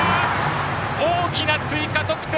大きな追加得点。